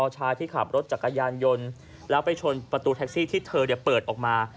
ชายที่ขับรถจักรยานยนต์แล้วไปชนประตูแท็กซี่ที่เธอเปิดออกมา